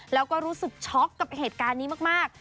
แล้วก็รู้สึกช็อกกับเหตุการณ์นี้มาก